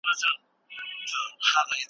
څه په ډېرو میو چې ساقي راته راګورې نۀ